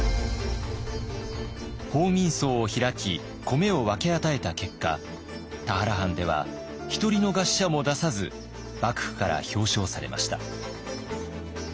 報民倉を開き米を分け与えた結果田原藩では１人の餓死者も出さず幕府から表彰されました。